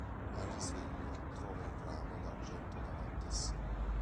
Al risveglio, trova un ramo d'argento davanti a sé.